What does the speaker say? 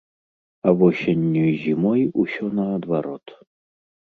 А восенню і зімой усё наадварот.